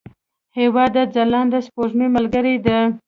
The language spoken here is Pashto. هېواد د ځلانده سپوږمۍ ملګری دی.